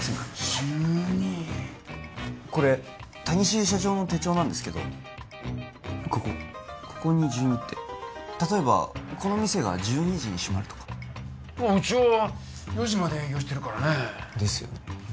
１２これ谷繁社長の手帳なんですけどここここに「１２」ってたとえばこの店が１２時に閉まるとかうちは４時まで営業してるからねですよね